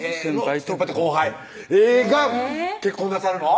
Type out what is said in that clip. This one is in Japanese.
先輩と後輩が結婚なさるの？